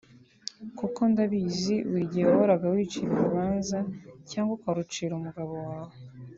kuko ndabizi buri gihe wahoraga wicira urubanza cyangwa ukarucira umugabo wawe